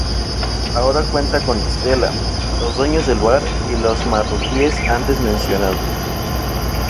Ahora cuenta con Estela, los dueños del bar y los marroquíes antes mencionados.